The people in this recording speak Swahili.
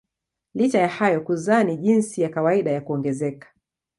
Licha ya hayo kuzaa ni jinsi ya kawaida ya kuongezeka.